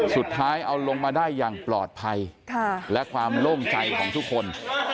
สุดท้ายเอาลงมาได้อย่างปลอดภัยและความโล่งใจของทุกคน